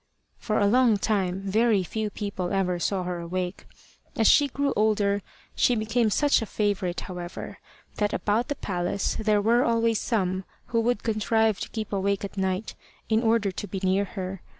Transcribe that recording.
For a long time very few people ever saw her awake. As she grew older she became such a favourite, however, that about the palace there were always some who would contrive to keep awake at night, in order to be near her.